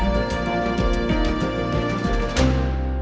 menyelamatkan kejadian tersebut